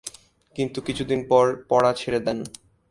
কিন্তু কিছুদিন পর পড়া ছেড়ে দেন।